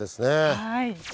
はい。